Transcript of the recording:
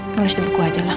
nulis deh buku aja lah